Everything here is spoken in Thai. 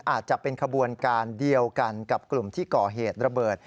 อาจจะเป็นขบวนการเดียวกันกับกลุ่มที่ก่อเหตุระเบิด